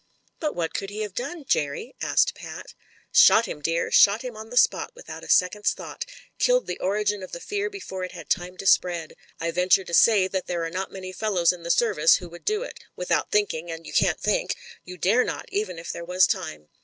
"But what could he have done, Jerry?" asked Pat. I04 MEN, WOMEN AND GUNS "Shot him, dear — shot him on the spot without a second's thought — ^killed the origin of the fear before it had time to spread. I venture to say that there are not many fellows in the Service who would do it — ^without thinking: and you can't think — ^you dare not, even if there was time.